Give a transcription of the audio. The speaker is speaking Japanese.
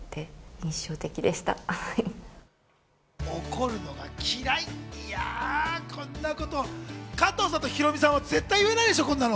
「怒るのが嫌い」、いや、こんなこと、加藤さんとヒロミさんは絶対言わないでしょ！